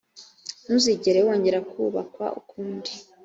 ntuzigere wongera kubakwa ukundi.